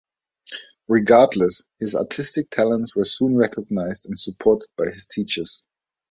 Regardless, his artistic talents were soon recognized and supported by his teachers.